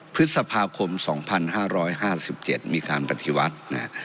พฤษภาคมสองพันห้าร้อยห้าสิบเจ็ดมีการตฐิวัตรนะฮะ